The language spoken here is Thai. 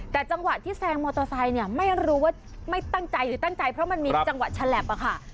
แต่จังหวะที่แซงมอเตอร์ไซค์เนี่ยไม่รู้ว่าไม่ตั้งใจหรือตั้งใจเพราะมันมีจังหวะฉลับอะค่ะ